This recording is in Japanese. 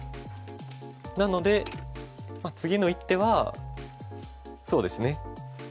なので次の一手はそうですね。